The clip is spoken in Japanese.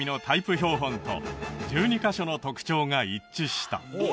標本と１２カ所の特徴が一致した